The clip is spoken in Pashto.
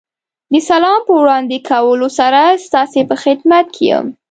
د سلام په وړاندې کولو سره ستاسې په خدمت کې یم.